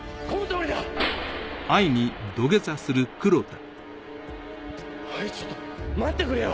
おいちょっと待ってくれよ。